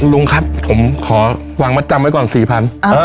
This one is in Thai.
ลุงครับผมขอวางมัดจำไว้ก่อน๔๐๐บาท